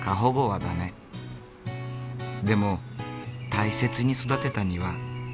でも大切に育てた庭。